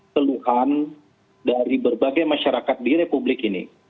keluhan dari berbagai masyarakat di republik ini